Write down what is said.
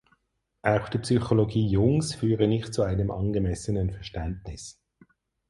Auch die Psychologie Jungs führe nicht zu einem angemessenen Verständnis.